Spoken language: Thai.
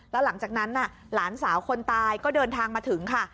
แล้วหลังจากนั้นหลานสาวคนตายก็เดินทางมาถึงค่ะ